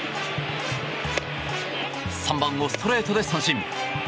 ３番をストレートで三振。